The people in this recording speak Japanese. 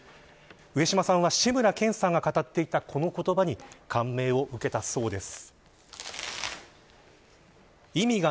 上島さんは志村けんさんが語っていたこの言葉に感銘を受けたそうです。